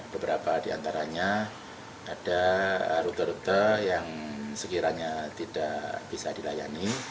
beberapa di antaranya ada rute rute yang sekiranya tidak bisa dilayani